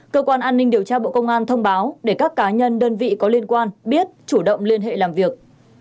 cơ quan an ninh điều tra bộ công an thông báo để các cá nhân đơn vị có liên quan biết chủ động liên hệ làm việc